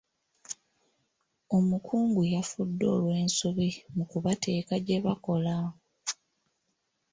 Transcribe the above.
Omukungu yafudde olw'ensobi mu kubateeka gye bakola.